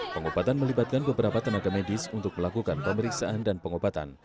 pengobatan melibatkan beberapa tenaga medis untuk melakukan pemeriksaan dan pengobatan